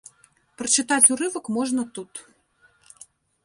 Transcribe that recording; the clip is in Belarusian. Прачытаць урывак можна тут.